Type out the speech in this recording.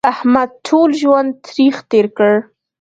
احمد ټول ژوند تریخ تېر کړ